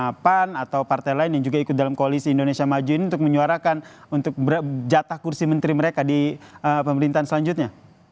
apakah pan atau partai lain yang juga ikut dalam koalisi indonesia maju ini untuk menyuarakan untuk jatah kursi menteri mereka di pemerintahan selanjutnya